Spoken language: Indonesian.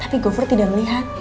tapi gofur tidak melihat